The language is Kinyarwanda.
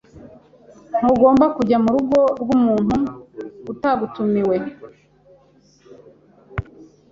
Ntugomba kujya murugo rwumuntu utagutumiwe.